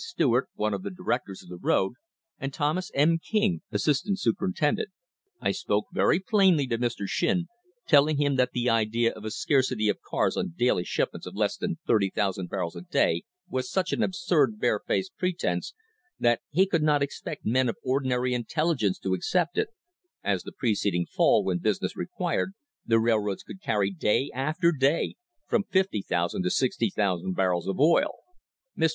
Stewart, one of the directors of the road, and Thomas M. King, assistant superin tendent. I spoke very plainly to Mr. Shinn, telling him that the idea of a scarcity of cars on daily shipments of less than 30,000 barrels a day was such an absurd, barefaced pretence that he could not expect men of ordinary intelligence to accept it, as the preceding fall, when business required, the railroads could carry day after day from 50,000 to 60,000 barrels of oil. Mr.